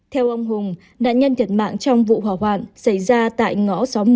theo ông hùng nạn nhân thiệt mạng trong vụ hỏa hoạn xảy ra tại ngõ sáu mươi